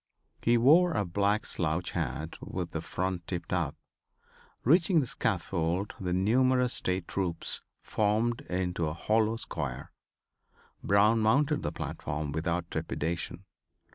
He wore a black slouch hat with the front tipped up. Reaching the scaffold the numerous State troops formed into a hollow square. Brown mounted the platform without trepidation.